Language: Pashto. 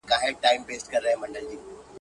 چي منگول يې ټينگ پر سر د بيزو وان سول.